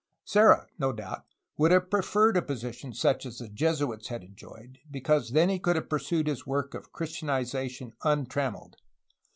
Serra, no doubt, would have preferred a position such as the Jesuits had enjoyed, because then he could have pursued his work of Christianization un trammeled.